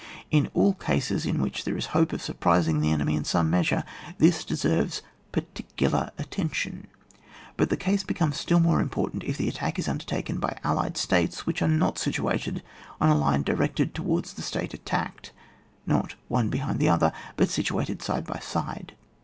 In all cases in which there is a hope of surprising the enemy in some measure, this deserves particular attention. But the case becomes still more im portant if the attack is undertaken by allied States which are not situated on a line directed towards the Stat« attacked — ^not one behind the other — but situated side by side.